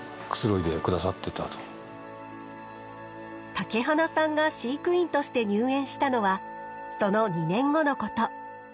竹花さんが飼育員として入園したのはその２年後のこと。